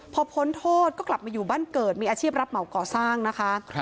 พอพ้นโทษก็กลับมาอยู่บ้านเกิดมีอาชีพรับเหมาก่อสร้างนะคะ